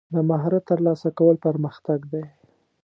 د مهارت ترلاسه کول پرمختګ دی.